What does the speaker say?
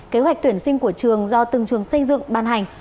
kế hoạch tuyển sinh của trường do từng trường xây dựng ban hành